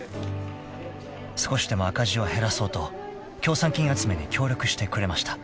［少しでも赤字を減らそうと協賛金集めに協力してくれました］